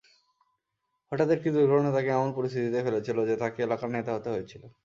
হঠাৎ একটি দুর্ঘটনা তাকে এমন পরিস্থিতিতে ফেলেছিল যে তাকে এলাকার নেতা হতে হয়েছিল।